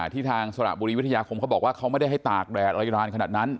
ที่ทางสระบุรีวิทยาคมเขาบอกว่าเขาไม่ได้ให้ตากแดดอะไรนานขนาดนั้น